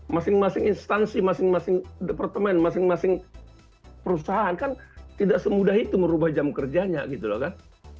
masing masing instansi masing masing departemen masing masing perusahaan kan tidak semudah itu merubah jam kerjanya gitu loh kan